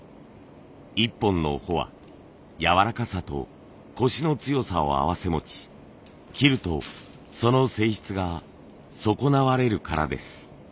一本の穂はやわらかさとコシの強さを併せ持ち切るとその性質が損なわれるからです。